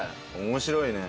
面白いね。